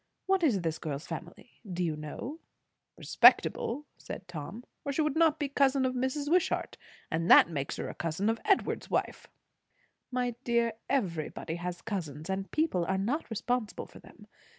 What is this girl's family, do you know?" "Respectable," said Tom, "or she would not be a cousin of Mrs. Wishart. And that makes her a cousin of Edward's wife." "My dear, everybody has cousins; and people are not responsible for them.